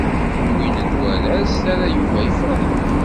Tiwwin n waraz terra Yuba yefṛeh.